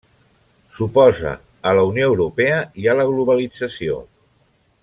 S'oposa a la Unió Europea i a la globalització.